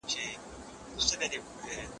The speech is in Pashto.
زه به اوږده موده پوښتنه کړې وم!!